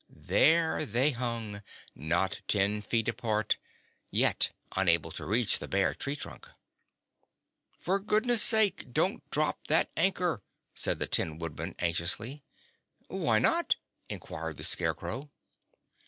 There they hung, not ten feet apart, yet unable to reach the bare tree trunk. "For goodness sake don't drop that anchor," said the Tin Woodman anxiously. "Why not?" inquired the Scarecrow.